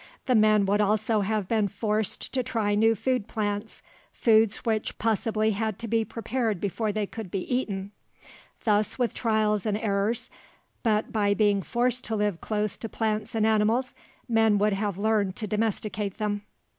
The men would also have been forced to try new plant foods foods which possibly had to be prepared before they could be eaten. Thus, with trials and errors, but by being forced to live close to plants and animals, men would have learned to domesticate them.